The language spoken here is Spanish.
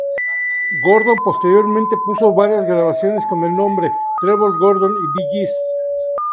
Gordon posteriormente puso varias grabaciones con el nombre, Trevor Gordon y Bee Gees.